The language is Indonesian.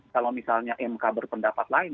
kalau misalnya mk berpendapat lain